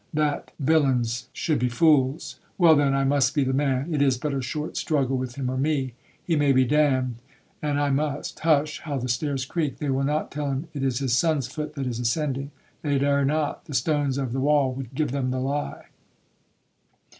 that villains should be fools. Well, then, I must be the man, it is but a short struggle with him or me,—he may be damned, and I must. Hush,—how the stairs creak, they will not tell him it is his son's foot that is ascending?—They dare not, the stones of the wall would give them the lie.